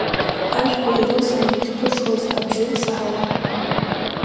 Ашәқәа ирысны иахьԥырҽуаз абжьы саҳауан.